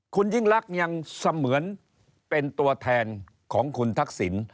คุณยิ่งลักษณ์ยังเสมือนเป็นตัวแทนของคุณทักษิณ